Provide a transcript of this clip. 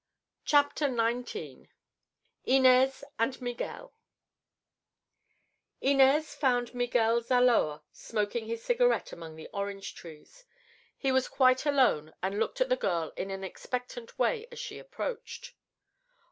CHAPTER XIX—INEZ AND MIGUEL Inez found Miguel Zaloa smoking his cigarette among the orange trees. He was quite alone and looked at the girl in an expectant way as she approached.